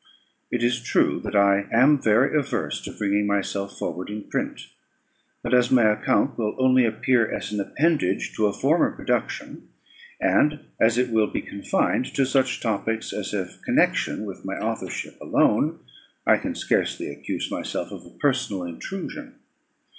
It is true that I am very averse to bringing myself forward in print; but as my account will only appear as an appendage to a former production, and as it will be confined to such topics as have connection with my authorship alone, I can scarcely accuse myself of a personal intrusion.